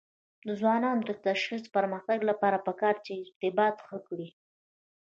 د ځوانانو د شخصي پرمختګ لپاره پکار ده چې ارتباط ښه کړي.